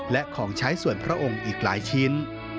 และของใช้ส่วนพระองค์อีกหลายชิ้น